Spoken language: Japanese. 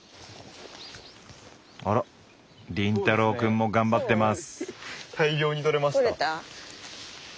あら凛太郎くんも頑張ってます。